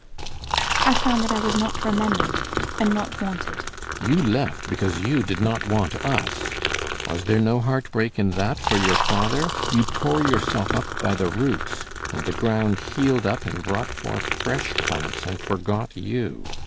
I found that I was not remembered and not wanted. CAPTAIN SHOTOVER. You left because you did not want us. Was there no heartbreak in that for your father? You tore yourself up by the roots; and the ground healed up and brought forth fresh plants and forgot you.